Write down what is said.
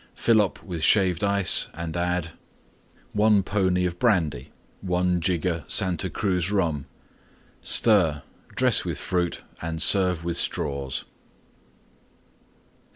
Fill up with Shaved Ice and add: 1 pony Brandy. 1 jigger Santa Cruz Bum. Stir; dress with Fruit and serve with Straws.